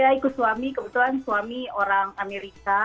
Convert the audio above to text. saya ikut suami kebetulan suami orang amerika